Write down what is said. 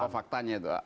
apa faktanya itu